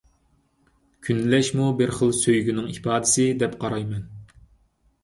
كۈنلەشمۇ بىر خىل سۆيگۈنىڭ ئىپادىسى، دەپ قارايمەن.